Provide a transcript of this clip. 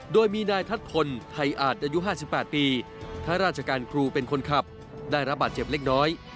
โดยมีนายทัศนไทยอาจอายุ๕๘ปีข้าราชการครูเป็นคนขับได้รับบาดเจ็บเล็กน้อย